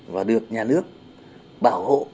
và được nhà nước bảo hộ